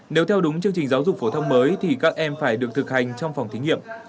nếu theo đúng chương trình giáo dục phổ thông mới thì các em phải được thực hành trong phòng thí nghiệm